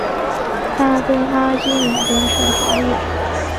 他跟阿基米德是好友。